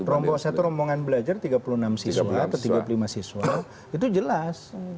rombongan satu rombongan belajar tiga puluh enam siswa atau tiga puluh lima siswa itu jelas